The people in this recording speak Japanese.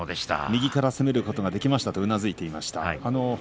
右から攻めることができましたと、うなずいていました。